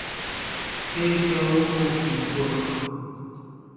'êy pş'aue f'ı vuşımıguğ.